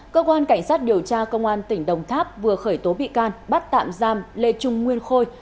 cơ quan cảnh sát điều tra công an tỉnh đồng tháp vừa khởi tố bị can bắt tạm giam lê trung nguyên khôi